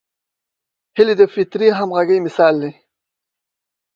هیلۍ د فطري همغږۍ مثال ده